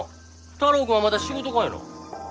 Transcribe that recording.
太郎くんはまた仕事かいな？